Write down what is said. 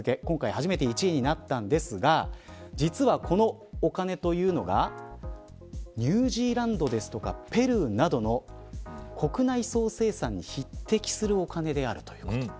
実は、このお金というのがニュージーランドですとかペルーなどの国内総生産に匹敵するお金であるということ。